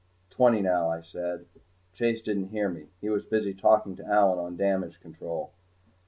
"Twenty, now," I said. Chase didn't hear me. He was busy talking to Allyn on damage control.